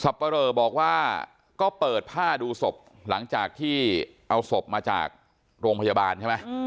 ปะเรอบอกว่าก็เปิดผ้าดูศพหลังจากที่เอาศพมาจากโรงพยาบาลใช่ไหม